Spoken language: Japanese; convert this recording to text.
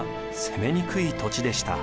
攻めにくい土地でした。